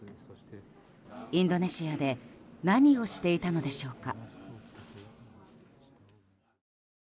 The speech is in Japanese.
インドネシアで何をしていたのでしょうか。